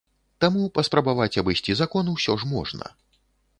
Таму паспрабаваць абысці закон усё ж можна.